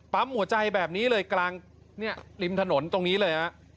ปั๊มหัวใจแบบนี้เลยกลางริมถนนตรงนี้เลย